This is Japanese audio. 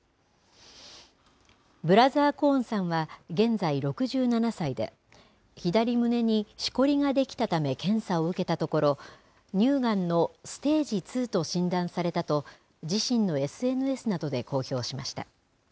ブラザー・コーンさんは現在６７歳で、左胸にしこりが出来たため検査を受けたところ、乳がんのステージ２と診断されたと、自身のＳＮＳなどで公表しました。